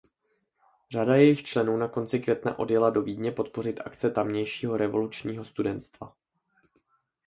Řada jejich členů na konci května odjela do Vídně podpořit akce tamějšího revolučního studentstva.